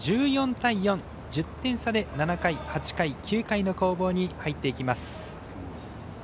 １４対４、１０点差で７回、８回、９回の攻防に入っていきます。